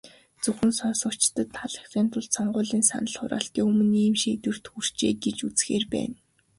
Зөвхөн сонгогчдод таалагдахын тулд, сонгуулийн санал хураалтын өмнө ийм шийдвэрт хүрчээ гэж үзэхээр байна.